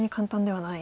はい。